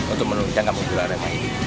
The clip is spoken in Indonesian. untuk menunjang kampung biru arema ini